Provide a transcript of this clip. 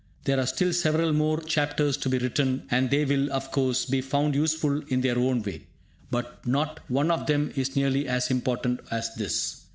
There are still several more chapters to be written, and they will, of course, be found useful in their own way. But not one of them is nearly as important as this.